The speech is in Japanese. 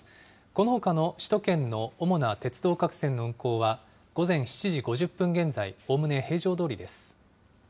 このほかの首都圏の主な鉄道各線の運行は、午前７時５０分現在、おおむね平常どおりです。